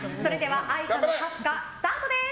愛花のカフカ、スタートです。